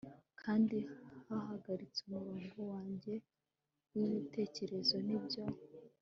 kandi yahagaritse umurongo wanjye wibitekerezo. nibyo